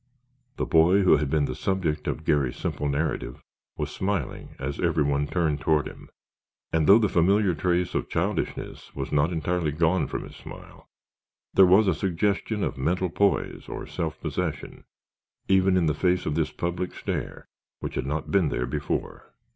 The boy who had been the subject of Garry's simple narrative was smiling, as every one turned toward him, and though the familiar trace of childishness was not entirely gone from his smile, there was a suggestion of mental poise or self possession, even in the face of this public stare, which had not been there before.